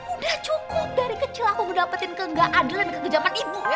udah cukup dari kecil aku mendapetin kegagalan kekejaman ibu ya